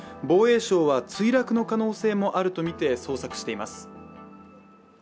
防衛省は墜落の可能性もあるとみて捜索しています。